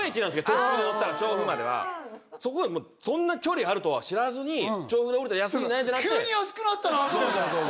特急で乗ったら調布まではそこへそんな距離あるとは知らずに調布で降りたら安いねってなってそうそう